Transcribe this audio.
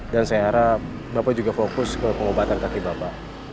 dan saya harap bapak juga fokus ke pengobatan kaki bapak